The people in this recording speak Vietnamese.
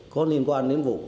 có liên quan đến vụ